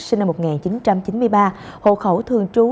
sinh năm một nghìn chín trăm chín mươi ba hộ khẩu thường trú